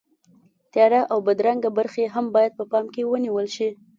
تیاره او بدرنګه برخې هم باید په پام کې ونیول شي.